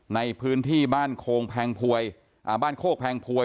ในพื้นที่บ้านโคงแพงพวยอ่าบ้านโคกแพงพวย